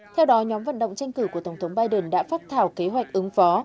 theo đó nhóm vận động tranh cử của tổng thống biden đã phát thảo kế hoạch ứng phó